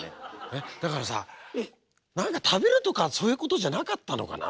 えっだからさ何か食べるとかそういうことじゃなかったのかな？